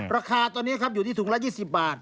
ราคาเท่านี้อยู่ที่ถุง๑๒๐บาท